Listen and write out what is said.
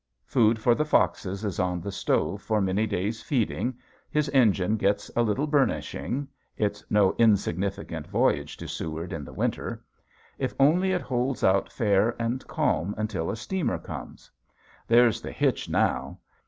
Food for the foxes is on the stove for many days' feeding, his engine gets a little burnishing it's no insignificant voyage to Seward in the winter. If only it holds out fair and calm until a steamer comes! There's the hitch now.